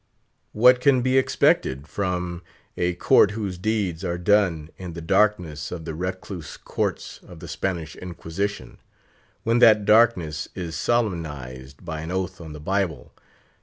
What can be expected from a court whose deeds are done in the darkness of the recluse courts of the Spanish Inquisition? when that darkness is solemnised by an oath on the Bible?